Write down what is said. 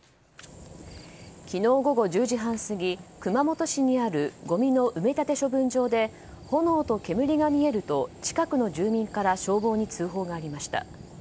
昨日午後１０時半過ぎ熊本市にあるごみの埋め立て処分場で炎と煙が見えると近くの住民から消防に通報がありました。